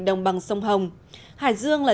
đồng bằng sông hồng hải dương là